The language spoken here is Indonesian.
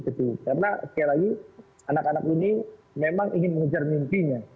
karena sekali lagi anak anak ini memang ingin mengejar mimpinya